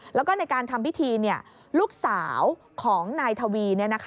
แล้วก็ในการทำพิธีลูกสาวของนายทวี